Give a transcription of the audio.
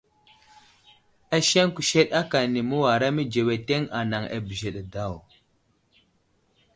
Aseŋ kusəɗ aka məwara mədzeŋeteŋ anaŋ a bəzəɗe daw.